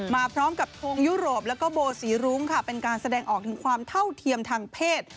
มาพร้อมกับทงยุโรปแล้วก็โบสีรุ้งค่ะเป็นการแสดงออกถึงความเท่าเทียมทางเพศ